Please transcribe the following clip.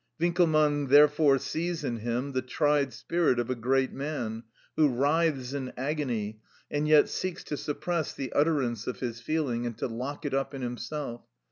Winckelmann therefore sees in him "the tried spirit of a great man, who writhes in agony, and yet seeks to suppress the utterance of his feeling, and to lock it up in himself.